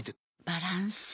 バランス。